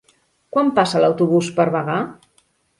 Quan passa l'autobús per Bagà?